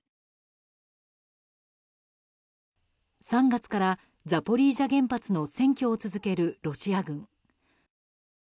３月からザポリージャ原発の占拠を続けるロシア軍。